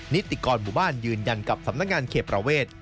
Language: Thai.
นิติกรหมู่บ้านยืนยันกับสำนักงานเขตประเวท